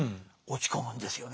落ち込むんですか。